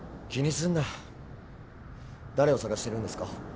気にすんな誰を捜してるんですか？